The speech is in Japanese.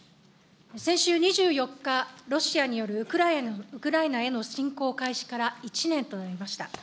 先週２４日、ロシアによるウクライナへの侵攻開始から１年となりました。